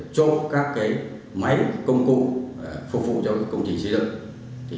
cho các máy công cụ phục vụ cho công trình xây dựng